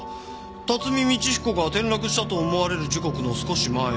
辰巳通彦が転落したと思われる時刻の少し前。